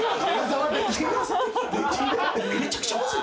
めちゃくちゃむずい。